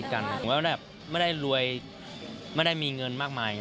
ถึงการให้มันนี่เนี่ยไม่ได้รวยไม่ได้มีเงินมากมาย